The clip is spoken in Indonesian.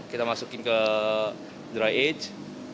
kita masukin ke dry age